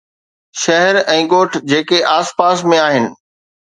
شهر ۽ ڳوٺ جيڪي آس پاس ۾ آهن